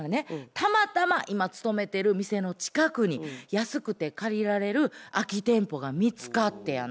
たまたま今勤めてる店の近くに安くて借りられる空き店舗が見つかってやな。